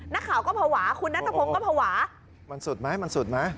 นักข่าวก็ภาวะคุณนัทพงศ์ก็ภาวะมันสุดไหมมันสุดไหม